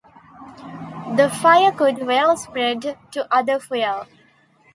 The fire could well spread to older fuel.